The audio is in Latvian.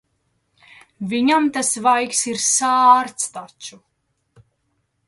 Viņam tas vaigs ir sārts taču.